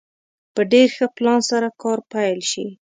په ډېر ښه پلان سره کار پيل شي.